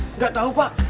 enggak tahu pak